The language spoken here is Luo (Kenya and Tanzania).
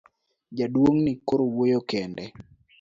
Jaduong' ni koro wuoyo kende.